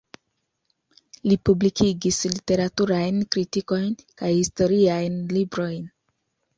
Li publikigis literaturajn kritikojn kaj historiajn librojn.